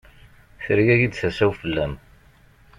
Tergagi-d tasa-w fell-am.